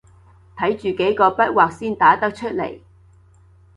睇住幾個筆劃先打得出來